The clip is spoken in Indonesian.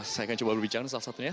saya akan coba berbicara salah satunya